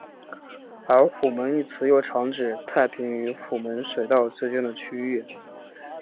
而虎门一词又常指太平与虎门水道之间的区域。